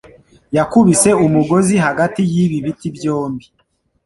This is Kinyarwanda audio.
Yakubise umugozi hagati yibi biti byombi.